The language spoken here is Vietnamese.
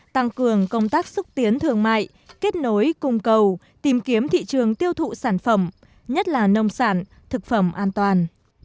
tăng cường công tác xúc tiến thương mại kết nối cung cầu tìm kiếm thị trường tiêu thụ sản phẩm nhất là nông sản thực phẩm an toàn